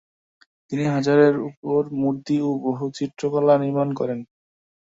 তিনি হাজারের ওপর মূর্তি ও বহু চিত্রকলা নির্মাণ করান।